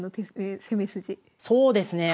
そうですね